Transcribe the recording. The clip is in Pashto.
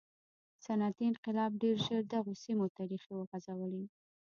صنعتي انقلاب ډېر ژر دغو سیمو ته ریښې وغځولې.